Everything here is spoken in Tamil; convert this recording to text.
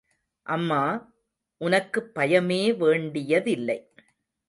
அம்மா, உனக்குப் பயமே வேண்டியதில்லை.